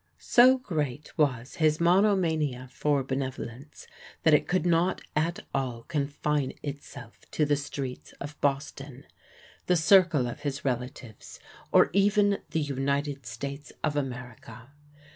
So great was his monomania for benevolence that it could not at all confine itself to the streets of Boston, the circle of his relatives, or even the United States of America.